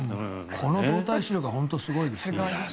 この動体視力は本当にすごいですよ。